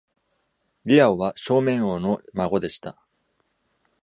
Liao は Shoumeng 王の孫でした。